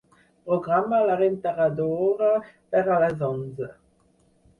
Programa la rentadora per a les onze.